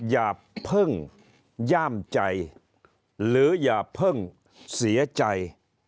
อย่าเพิ่งย่ามใจหรืออย่าเพิ่งเสียใจ